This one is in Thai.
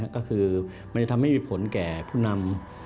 ก็คือมันจะทำให้มีผลแก่ผู้นำ